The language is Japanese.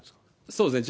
そうですね。